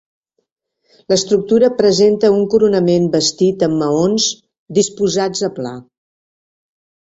L'estructura presenta un coronament bastit amb maons, disposats a pla.